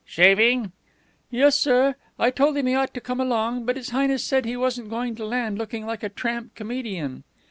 "Shaving!" "Yes, sir. I told him he ought to come along, but His Highness said he wasn't going to land looking like a tramp comedian."